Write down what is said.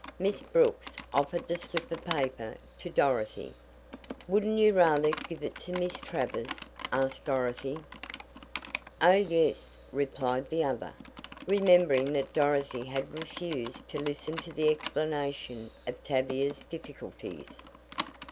Miss Brooks offered the slip of paper to Dorothy. "Wouldn't you rather give it to Miss Travers?" asked Dorothy. "Oh, yes," replied the other, remembering that Dorothy had refused to listen to the explanation of Tavia's difficulties.